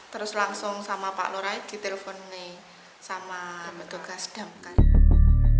terus langsung sama pak lora ditelepon sama petugas damkar